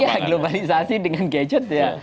nah iya globalisasi dengan gadget ya